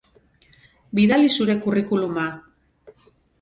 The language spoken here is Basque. Bidali zure curriculuma.